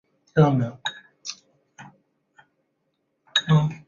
马坦萨斯穴鼠是古巴特有的一种棘鼠科。